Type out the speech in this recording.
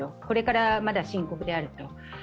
これからまだ深刻であると。